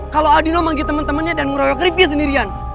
kalau adino manggil temen temennya dan meroyok rifqi sendirian